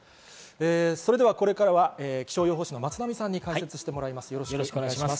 これからは気象予報士・松並さんに解説してもらいます。